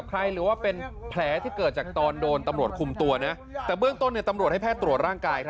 หรือว่าเป็นแผลที่เกิดจากตอนโดนตำรวจคุมตัวนะแต่เบื้องต้นตำรวจให้แพทย์ตรวจร่างกาย